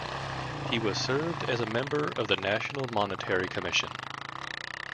He was served as a member of the National Monetary Commission.